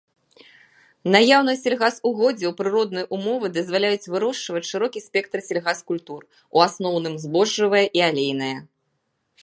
Наяўнасць сельгасугоддзяў, прыродныя ўмовы дазваляюць вырошчваць шырокі спектр сельгаскультур, у асноўным збожжавыя і алейныя.